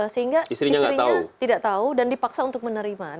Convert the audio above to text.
sehingga istrinya tidak tahu dan dipaksa untuk menerima